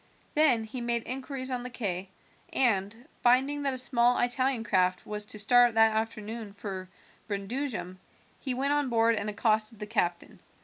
Then he made inquiries on the quay, and, finding that a small Italian craft was to start that afternoon for Brundusium, he went on board and accosted the captain.